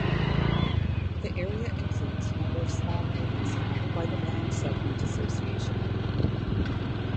The area includes a number of smallholdings founded by the Land Settlement Association.